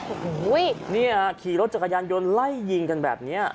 โอ้โหเนี่ยขี่รถจักรยานยนต์ไล่ยิงกันแบบนี้